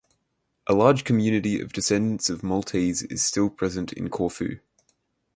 A large community of descendants of Maltese is still present in Corfu.